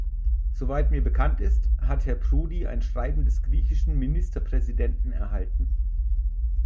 Soweit mir bekannt ist, hat Herr Prodi ein Schreiben des griechischen Ministerpräsidenten erhalten.